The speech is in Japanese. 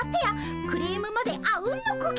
クレームまであうんの呼吸。